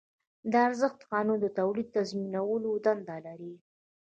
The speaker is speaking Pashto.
د ارزښت قانون د تولید تنظیمولو دنده لري